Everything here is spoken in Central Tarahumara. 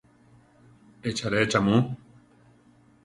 ¿Echáre cha mu?